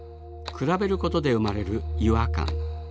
比べることで生まれる違和感。